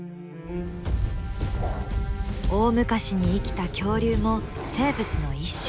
大昔に生きた恐竜も生物の一種。